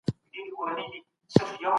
ټولنیز عدالت د اسلام یو مهم اصل دی.